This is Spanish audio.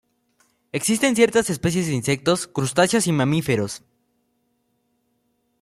Existe en ciertas especies de insectos, crustáceos y mamíferos.